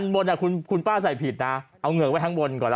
บนคุณป้าใส่ผิดนะเอาเหงือกไว้ข้างบนก่อนแล้ว